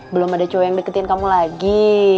belum ada cowok yang deketin kamu lagi